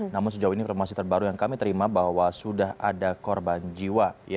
namun sejauh ini informasi terbaru yang kami terima bahwa sudah ada korban jiwa